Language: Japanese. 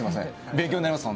勉強になります